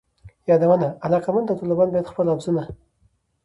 یادونه: علاقمند داوطلبان باید خپل آفرونه